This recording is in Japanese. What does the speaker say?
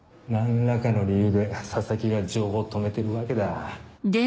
何らかの理由で佐々木が情報を止めてるわけだ。